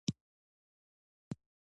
تاریخ د پښو غوړې خاڼې لري.